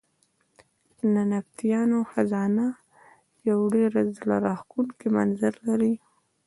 د نبطیانو خزانه یو ډېر زړه راښکونکی منظر لري.